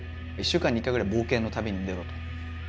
１週間に１回ぐらい冒険の旅に出ろと。